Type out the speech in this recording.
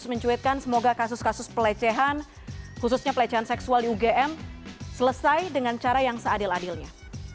mencuitkan semoga kasus kasus pelecehan khususnya pelecehan seksual di ugm selesai dengan cara yang seadil adilnya